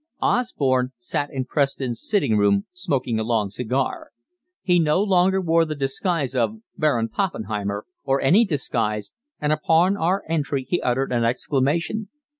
Osborne sat in Preston's sitting room, smoking a long cigar. He no longer wore the disguise of "Baron Poppenheimer," or any disguise, and upon our entry he uttered an exclamation.